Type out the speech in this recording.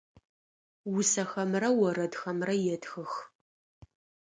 Усэхэмрэ орэдхэмрэ етхых.